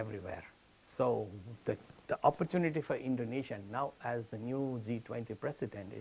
jadi kesempatan untuk indonesia sekarang sebagai presiden g dua puluh baru